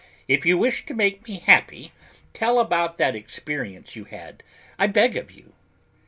If you wish to make me happy, tell about that experience you had, I beg of you."